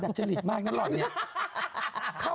ดักจริดมากไนแหละ